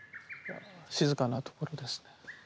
静かなところですね。